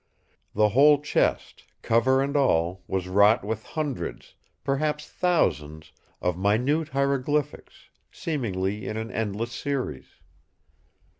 The whole chest, cover and all, was wrought with hundreds, perhaps thousands, of minute hieroglyphics, seemingly in an endless series.